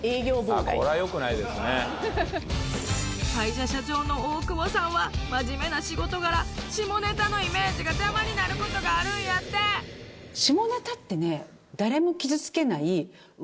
会社社長の大久保さんはマジメな仕事柄下ネタのイメージが邪魔になることがあるんやって誰も傷つけない。